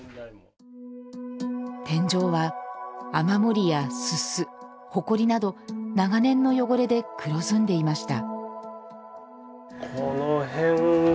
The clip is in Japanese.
天井は雨漏りや、すす、ほこりなど長年の汚れで黒ずんでいました。